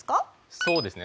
そうですね。